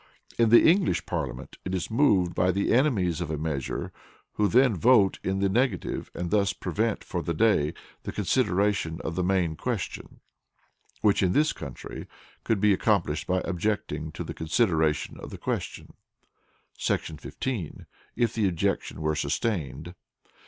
In the English Parliament it is moved by the enemies of a measure, who then vote in the negative, and thus prevent for the day, the consideration of the main question, (which in this country could be accomplished by "objecting to the consideration of the question" [§ 15], if the objection were sustained).